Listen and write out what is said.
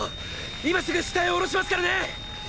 今すぐ地上へ降ろしますからね！